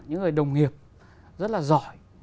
những người đồng nghiệp rất là giỏi